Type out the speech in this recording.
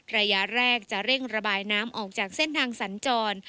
ระยะแรกจะเร่งระบายน้ำออกจากเส้นทางสัญจร